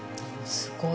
すごい。